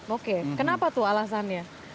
oke kenapa tuh alasannya